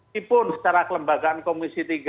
tipu secara kelembagaan komisi tiga